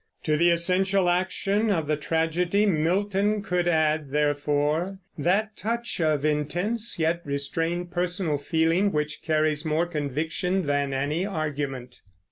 To the essential action of the tragedy Milton could add, therefore, that touch of intense yet restrained personal feeling which carries more conviction than any argument.